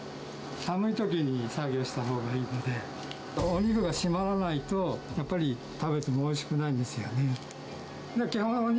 寒いときに作業したほうがいいので、お肉が締まらないと、やっぱり食べてもおいしくないんですよね。